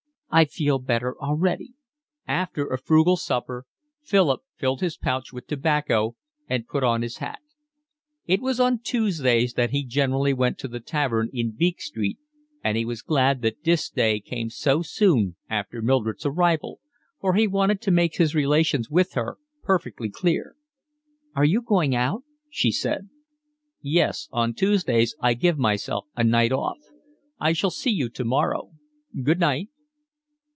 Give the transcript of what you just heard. "I feel better already." After a frugal supper Philip filled his pouch with tobacco and put on his hat. It was on Tuesdays that he generally went to the tavern in Beak Street, and he was glad that this day came so soon after Mildred's arrival, for he wanted to make his relations with her perfectly clear. "Are you going out?" she said. "Yes, on Tuesdays I give myself a night off. I shall see you tomorrow. Good night."